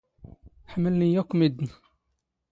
ⵃⵎⵍⵏ ⵉⵢⵉ ⴰⴽⴽⵯ ⵎⴷⴷⵏ.